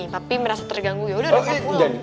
papi merasa terganggu yaudah reva pulang